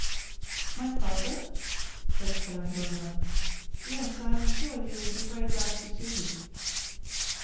"My father?" said Fräulein Dollmann; "yes, I am sure he will be very glad to see you.